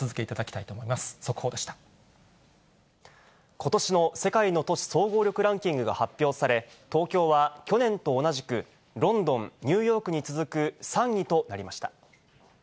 ことしの世界の都市総合力ランキングが発表され、東京は去年と同じく、ロンドン、ニューヨークに続く３位となりました。